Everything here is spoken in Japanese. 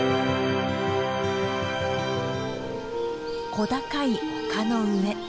小高い丘の上。